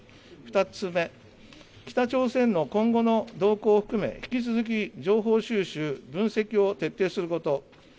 ２つ目、北朝鮮の今後の動向を含め、引き続き情報収集、分析を徹底すること。